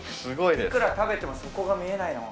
いくら食べても底が見えないな。